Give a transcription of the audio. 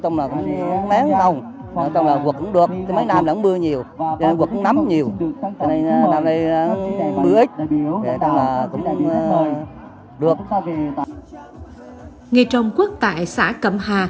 nghệ trồng quốc tại xã cẩm hà